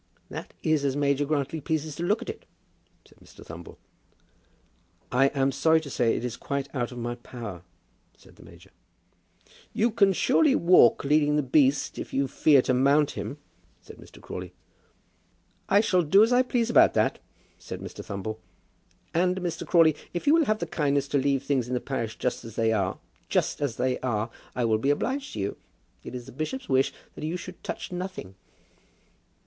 "That is as Major Grantly pleases to look at it," said Mr. Thumble. "I am sorry to say that it is quite out of my power," said the major. "You can surely walk, leading the beast, if you fear to mount him," said Mr. Crawley. [Illustration: Mrs. Proudie's Emissary.] "I shall do as I please about that," said Mr. Thumble. "And, Mr. Crawley, if you will have the kindness to leave things in the parish just as they are, just as they are, I will be obliged to you. It is the bishop's wish that you should touch nothing."